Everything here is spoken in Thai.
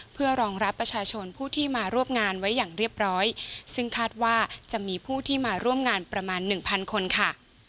เพื่อรองรับประชาชนผู้ที่มาร่วมงานไว้อย่างเรียบร้อยซึ่งคาดว่าจะมีผู้ที่มาร่วมงานประมาณหนึ่งพันคนค่ะ